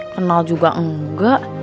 kenal juga engga